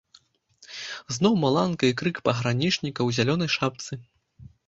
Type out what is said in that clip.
Зноў маланка і крык пагранічніка ў зялёнай шапцы.